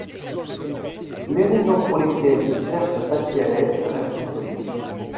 Les raisons pour lesquelles il cherche à passer à l'Est restent inconnues.